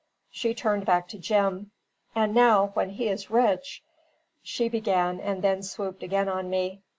She turned back to Jim. "And now when he is rich," she began, and then swooped again on me.